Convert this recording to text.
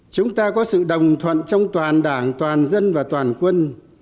chúng ta có sự đồng thuận trong toàn đảng toàn dân và toàn quân